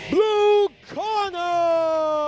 เบลูอัลเลคเนอร์